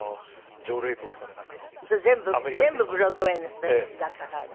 全部ブロードウェーの人たちだったからね。